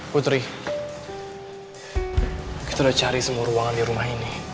putri kita sudah cari semua ruangan di rumah ini